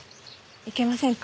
いけませんか？